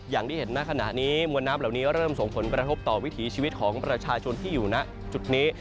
อย่างที่เห็นณขณะนี้มวลน้ำเหล่านี้เริ่มส่งผลกระทบต่อวิถีชีวิตของประชาชนที่อยู่ณจุดนี้